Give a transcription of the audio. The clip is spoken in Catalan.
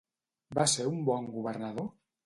Va ser un bon governador?